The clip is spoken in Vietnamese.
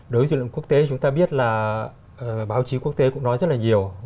đối với dư luận quốc tế chúng ta biết là báo chí quốc tế cũng nói rất là nhiều